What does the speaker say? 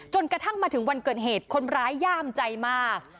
กระทั่งมาถึงวันเกิดเหตุคนร้ายย่ามใจมาก